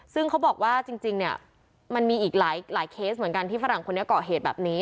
ซึ่งเขาบอกว่าจริงเนี่ยมันมีอีกหลายเคสเหมือนกันที่ฝรั่งคนนี้ก่อเหตุแบบนี้